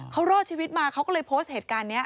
เขารอดชีวิตมาเขาก็เลยโพสต์เหตุการณ์นี้